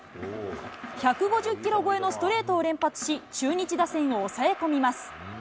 １５０キロ超えのストレートを連発し、中日打線を抑え込みます。